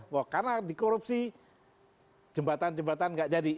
wah karena dikorupsi jembatan jembatan nggak jadi